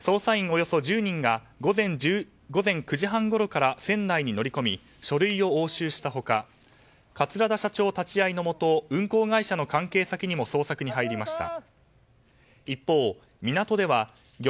およそ１０人が午前９時半ごろから船内に乗り込み書類を押収した他桂田社長立ち会いのもと運航会社の関係先にも捜索に入りました。